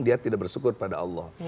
dia tidak bersyukur pada allah